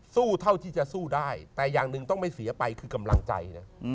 เท่าที่จะสู้ได้แต่อย่างหนึ่งต้องไม่เสียไปคือกำลังใจนะ